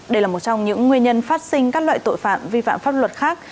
đây là một trong những nguyên nhân phát sinh các loại tội phạm vi phạm pháp luật khác